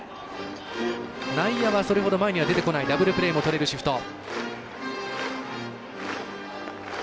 内野はそれほど前には出てこないダブルプレーもとれるシフト。